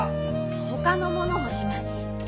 ほかのもの干します。